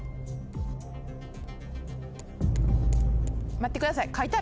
待ってください。